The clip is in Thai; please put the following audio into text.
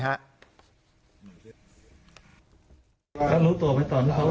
ครับรู้ตัวไปตอนนี้ครับ